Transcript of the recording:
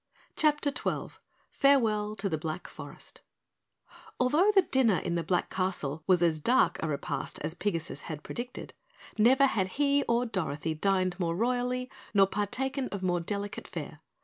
CHAPTER 12 Farewell to the Black Forest Although the dinner in the Black Castle was as dark a repast as Pigasus had predicted, never had he or Dorothy dined more royally nor partaken of more delicate fare.